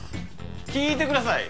聞いてください